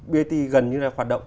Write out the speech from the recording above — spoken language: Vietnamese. bat gần như là hoạt động